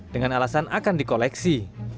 dengan alasan akan dikoleksi